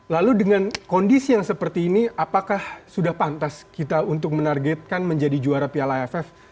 lalu dengan kondisi yang seperti ini apakah sudah pantas kita untuk menargetkan menjadi juara piala aff